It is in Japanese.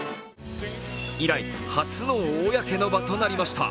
以来、初の公の場となりました。